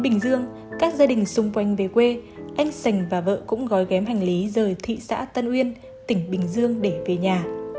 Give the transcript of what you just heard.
bình dương các gia đình xung quanh về quê anh sành và vợ cũng gói ghm hành lý rời thị xã tân uyên tỉnh bình dương để về nhà